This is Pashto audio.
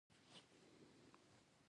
بوټونه د دوبي پر ورځو کې سپین وي.